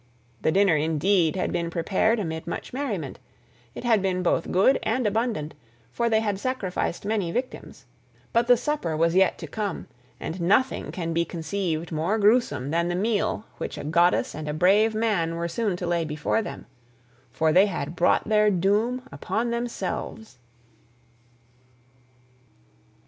The dinner indeed had been prepared amid much merriment; it had been both good and abundant, for they had sacrificed many victims; but the supper was yet to come, and nothing can be conceived more gruesome than the meal which a goddess and a brave man were soon to lay before them—for they had brought their doom upon themselves.